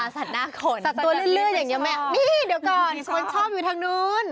สัตว์หน้าขนสัตว์ตัวเลื่อนอย่างนี้ไหมนี่เดี๋ยวก่อนคนชอบอยู่ทางนู้น